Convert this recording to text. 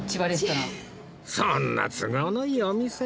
そんな都合のいいお店